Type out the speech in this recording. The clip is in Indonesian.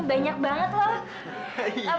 ini banyak banget loh